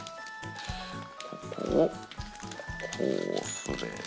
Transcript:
ここをこうすれば。